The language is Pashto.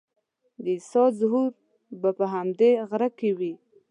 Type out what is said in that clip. د عیسی ظهور به په همدې غره کې وي.